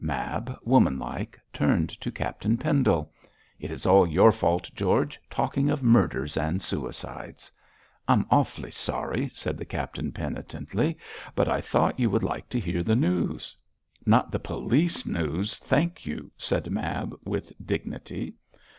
Mab, woman like, turned on Captain Pendle. 'It is all your fault, George, talking of murders and suicides.' 'I'm awf'ly sorry,' said the captain, penitently, 'but I thought you would like to hear the news.' 'Not the police news, thank you,' said Mab, with dignity.